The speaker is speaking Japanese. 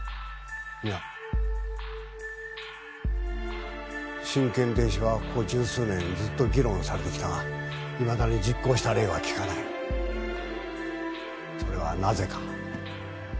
いや親権停止はここ１０数年ずっと議論されてきたがいまだに実行した例は聞かないそれはなぜか？